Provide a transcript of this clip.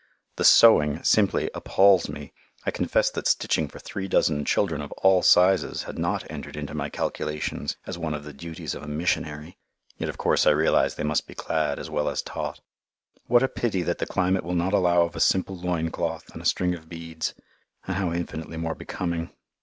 The sewing simply appalls me! I confess that stitching for three dozen children of all sizes had not entered into my calculations as one of the duties of a "missionary"! Yet of course I realize they must be clad as well as taught. What a pity that the climate will not allow of a simple loin cloth and a string of beads. And how infinitely more becoming.